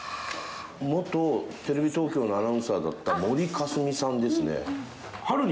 元テレビ東京のアナウンサーだった森香澄さんですね